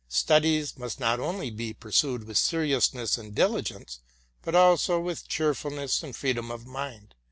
Studies inust not only be pursued with seriousness and diligence, but also with cheerfulness and freedom of mind.